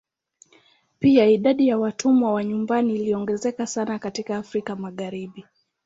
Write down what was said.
Pia idadi ya watumwa wa nyumbani iliongezeka sana katika Afrika Magharibi.